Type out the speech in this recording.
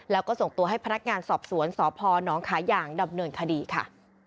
แล้วก็ส่งตัวให้พนักงานสอบสวนสพนขาย่างดำเนินคดีค่ะ